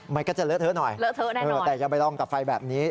มันก็จะเลอะเทอะหน่อยเลอะเทอะนะแต่อย่าไปลองกับไฟแบบนี้